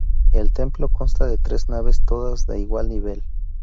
El templo, consta de tres naves todas de igual nivel.